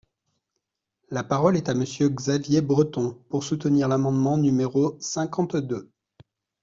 La parole est à Monsieur Xavier Breton, pour soutenir l’amendement numéro cinquante-deux.